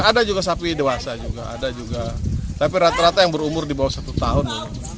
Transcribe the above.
ada juga sapi dewasa juga ada juga tapi rata rata yang berumur di bawah satu tahun